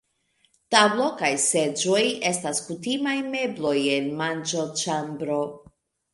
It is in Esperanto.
Tablo kaj seĝoj estas kutimaj mebloj en manĝoĉambro.